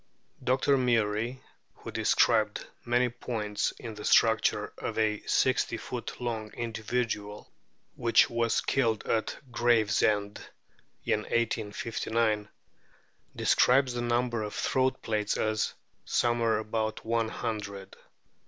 Dr. Murie, who described many points in the structure of a sixty foot long individual which was killed at Gravesend in 1859, describes the number of throat plaits as "somewhere about one hundred."